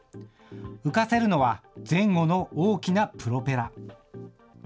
浮かせるのは前後の大きなプロペラ。